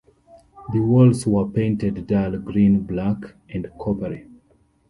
The walls were painted dull green, black and coppery.